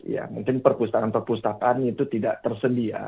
ya mungkin perpustakaan perpustakaan itu tidak tersedia